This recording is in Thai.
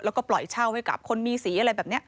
แล้วก็ปล่อยเช่าให้กับคนมีสีอะไรแบบนี้